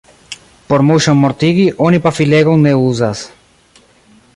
Por muŝon mortigi, oni pafilegon ne uzas.